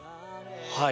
はい。